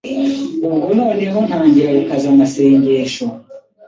ubwo noneho ntangira gukaza amasengesho